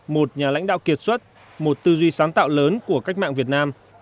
một nhà lãnh đạo kiệt xuất một tư duy sáng tạo lớn của cách mạng việt nam